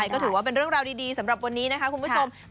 ก็ถือว่าเป็นเรื่องราวดีสำหรับวันนี้นะคะคุณผู้ชม